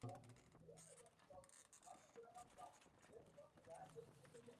Toyota é uma das maiores montadoras do mundo.